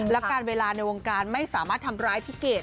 และการเวลาในวงการไม่สามารถทำร้ายพี่เกด